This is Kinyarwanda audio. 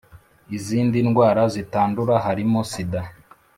izindi ndwara zitandura harimo sida